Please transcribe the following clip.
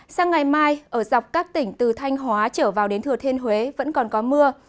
sang ngày mai ở dọc các tỉnh từ thanh hóa trở vào đến thừa thiên huế vẫn còn có mưa